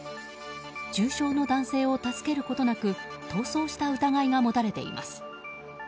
重傷の男性を助けることなく逃走した疑いが持たれています。